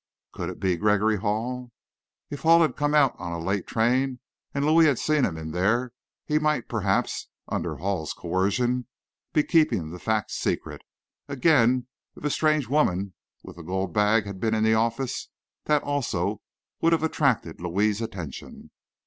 Could it be Gregory Hall? If Hall had come out on a late train, and Louis had seen him there, he might, perhaps under Hall's coercion, be keeping the fact secret. Again, if a strange woman with the gold bag had been in the office, that also would have attracted Louis's attention.